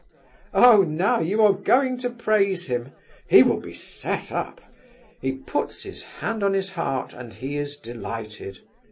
"Oh, now you are going to praise him! He will be set up! He puts his hand on his heart, and he is delighted!